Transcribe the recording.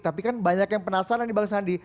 tapi kan banyak yang penasaran nih bang sandi